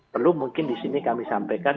perlu mungkin disini kami sampaikan